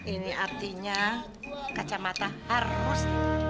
ini artinya kacamata harus